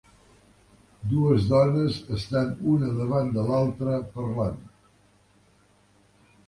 Dues dones estan una davant de l'altra parlant